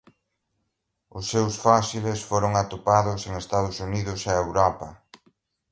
Os seus fósiles foron atopados en Estados Unidos e Europa.